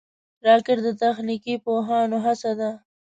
راکټ د تخنیکي پوهانو هڅه ده